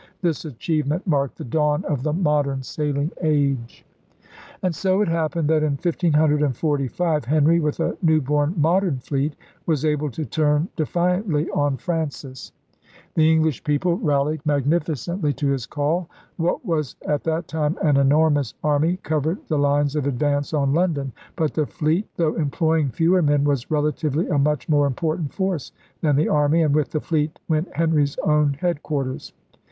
This achievement marked the dawn of the modern sailing age. And so it happened that in 1545 Henry, with a new born modern fleet, was able to turn defi antly on Francis. The English people rallied KING HENRY VIII 27 magnificently to his call. What was at that time an enormous army covered the lines of advance on London. But the fleet, though employing fewer men, was relatively a much more important force than the army; and with the fleet went Henry's own headquarters.